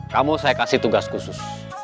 kamu saya kasih tugas khusus